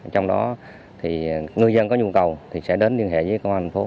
trong đó người dân có nhu cầu sẽ đến liên hệ với công an thành phố